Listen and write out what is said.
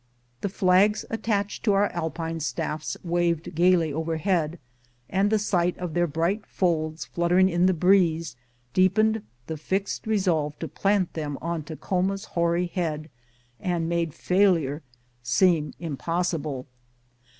The flags attached to our Alpine staffs waved gayly overhead, and the sight of their bright folds fluttering in the breeze deepened the fixed resolve to plant them on Takhoma^s hoary head, and made failure seem impossible.